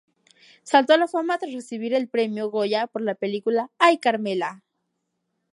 Saltó a la fama tras recibir el premio Goya por la película "¡Ay, Carmela!".